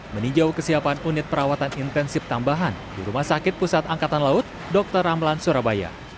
meninjau kesiapan unit perawatan intensif tambahan di rumah sakit pusat angkatan laut dr ramlan surabaya